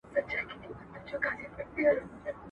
او له پاسه د ګیدړ په تماشې سو `